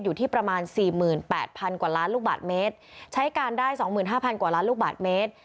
อยู่ที่ประมาณสี่หมื่นแปดพันกว่าล้านลูกบาทเมตรใช้การได้๒๕๐๐กว่าล้านลูกบาทเมตร